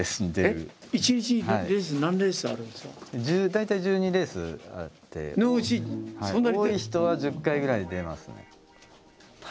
大体１２レースあって多い人は１０回ぐらい出ますね。